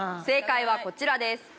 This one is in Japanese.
正解はこちらです。